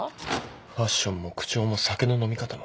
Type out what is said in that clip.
ファッションも口調も酒の飲み方も。